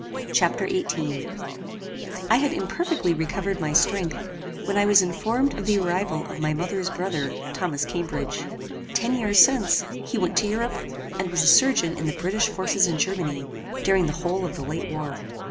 Chapter XVIII I had imperfectly recovered my strength, when I was informed of the arrival of my mother's brother, Thomas Cambridge. Ten years since, he went to Europe, and was a surgeon in the British forces in Germany, during the whole of the late war.